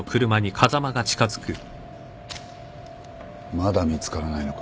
まだ見つからないのか。